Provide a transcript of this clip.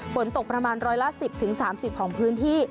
ฝนตกประมาณร้อยละ๑๐๓๐ของพื้นที่